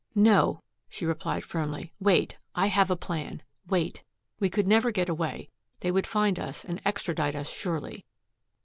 "No," she replied firmly. "Wait. I have a plan. Wait. We could never get away. They would find us and extradite us surely."